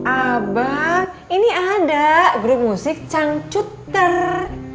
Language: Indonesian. abang ini ada grup musik cangcuter